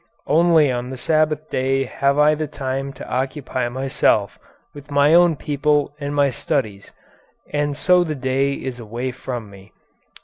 Only on the Sabbath day have I the time to occupy myself with my own people and my studies, and so the day is away from me."